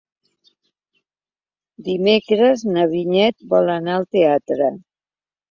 Dimecres na Vinyet vol anar al teatre.